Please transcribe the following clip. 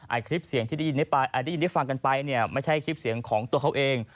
คลิปเสียงที่ได้ยินได้ฟังกันไปเนี่ยไม่ใช่คลิปเสียงของตัวเขาเอง